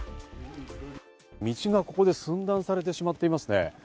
道がここで寸断されてしまっていますね。